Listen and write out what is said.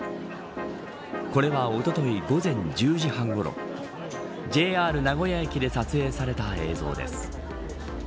これはおととい午前１０時半ごろＪＲ名古屋駅で撮影された映像です。